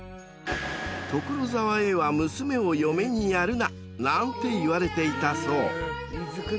［「所沢へは娘を嫁にやるな」なんていわれていたそう］